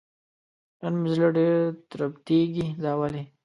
نن مې زړه ډېر تربتېږي دا ولې ؟